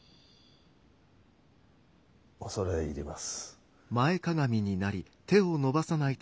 恐れ入ります。